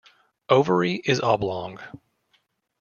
Ovary is oblong.